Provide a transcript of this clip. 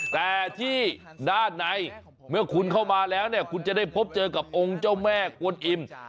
แต่ที่ด้านในเมื่อคุณเข้ามาแล้วเนี่ยคุณจะได้พบเจอกับองค์เจ้าแม่กวนอิ่ม